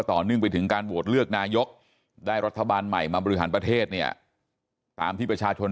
เนื่องไปถึงการโหวตเลือกนายกได้รัฐบาลใหม่มาบริหารประเทศเนี่ยตามที่ประชาชน